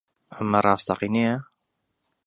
ئەمە ڕاستەقینەیە؟